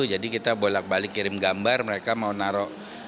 jadi kita bolak balik kirim gambar mereka mau naro